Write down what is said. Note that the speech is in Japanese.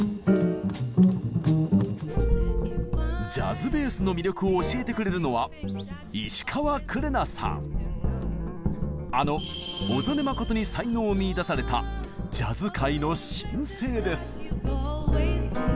ジャズベースの魅力を教えてくれるのはあの小曽根真に才能を見いだされたジャズ界の新星です。